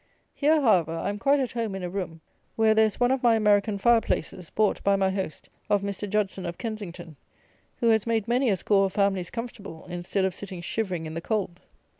Here, however, I am quite at home in a room, where there is one of my American Fire Places, bought, by my host, of Mr. Judson of Kensington, who has made many a score of families comfortable, instead of sitting shivering in the cold.